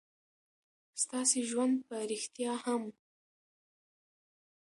ستاسې ژوند په رښتيا هم